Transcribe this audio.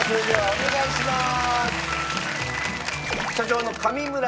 お願いします。